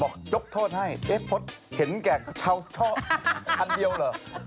บอกยกโทษให้เอ๊ะพลดเห็นแก่กระเช้าชอบอันเดียวเหรอ